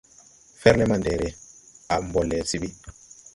Fɛrle mandɛɛrɛ, a mbɔ le se ɓi.